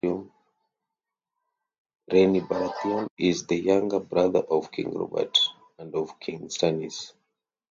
Renly Baratheon is the younger brother of King Robert and of King Stannis.